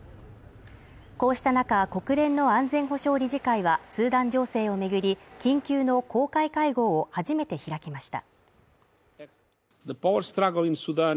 こうした中、国連の安全保障理事会はスーダン情勢を巡り、緊急の公開会合を初めて開きました。